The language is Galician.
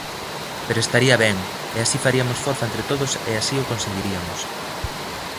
Pero estaría ben, e así fariamos forza entre todos e así o conseguiriamos.